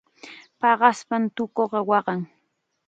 Paqaspam tukuqa waqan.